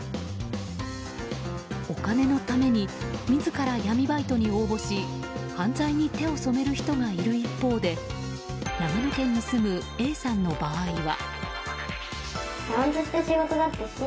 お金のために自ら闇バイトに応募し犯罪に手を染める人がいる一方で長野県に住むＡさんの場合は。